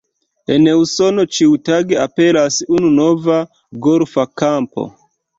En Usono ĉiutage aperas unu nova golfa kampo.